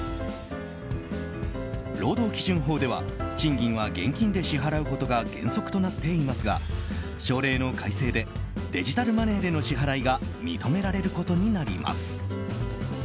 労働基準法では賃金は現金で支払うことが原則となっていますが省令の改正でデジタルマネーでの支払いが認められることになります。